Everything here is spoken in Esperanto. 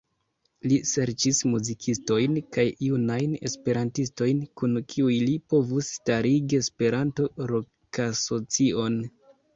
Li serĉis muzikistojn kaj junajn Esperantistojn, kun kiuj li povus starigi Esperanto-rokasocion.